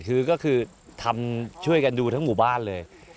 คือก็คือทำช่วยกันดูทั้งหมู่บ้านเลย